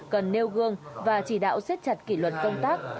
cần nêu gương và chỉ đạo siết chặt kỷ luật công tác